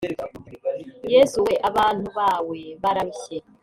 yesu we abantu bawe bararushye